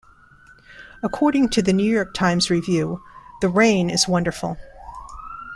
According to "The New York Times" review, "The rain is wonderful.